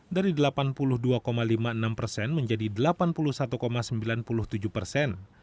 dari delapan puluh dua lima puluh enam persen menjadi delapan puluh satu sembilan puluh tujuh persen